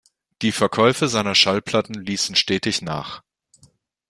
Die Verkäufe seiner Schallplatten ließen stetig nach.